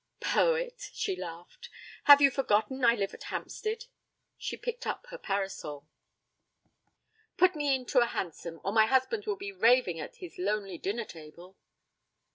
'Poet!' she laughed. 'Have you forgotten I live at Hampstead?' She picked up her parasol. 'Put me into a hansom, or my husband will be raving at his lonely dinner table.'